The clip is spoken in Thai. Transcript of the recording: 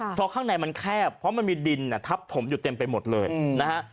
เพราะข้างในมันแคบเพราะมันมีดินทับถมอยู่เต็มไปหมดเลยนะฮะ